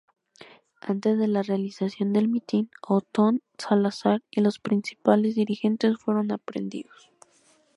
Antes de la realización del mitin, Othón Salazar y los principales dirigentes fueron aprehendidos.